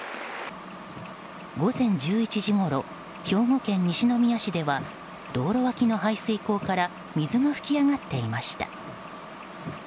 午前１１時ごろ兵庫県西宮市では道路脇の排水溝から水が噴き上がっていました。